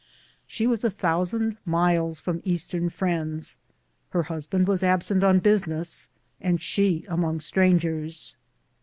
She was a thousand miles from Eastern friends ; her husband was absent on business, and she among strangers.